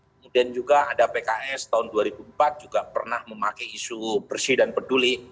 kemudian juga ada pks tahun dua ribu empat juga pernah memakai isu bersih dan peduli